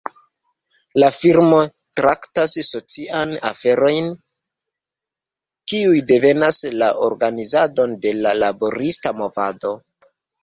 La filmo traktas socian aferojn kiuj devenas la organizadon de la laborista movado.